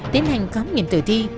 tiến hành khám nghiệm tử thi